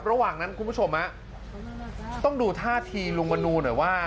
ระหว่างนั้นคุณผู้ชมต้องดูท่าทีลุงมนูหน่อยว่า